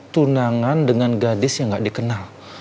tunangan dengan gadis yang tidak dikenal